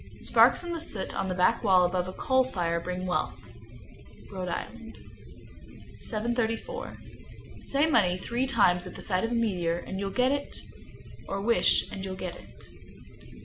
Sparks in the soot on the back wall above a coal fire bring wealth. Rhode Island. 734. Say "Money" three times at sight of a meteor, and you'll get it, or wish and you'll get it.